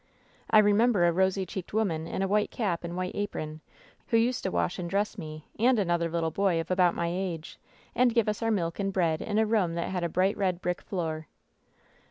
I remember a rosy cheeked woman in a white cap and white apron, who used to wash and dress me, and another little boy of about my age, and give us our milk and bread in a room that had a bright red brick floor."